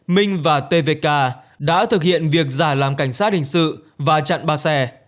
minh và tvk đã thực hiện việc giả làm cảnh sát hình sự và chặn ba xe